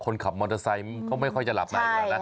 คนขับมอเตอร์ไซต์ก็ไม่ค่อยจะหลับในอย่างนั้นนะใช่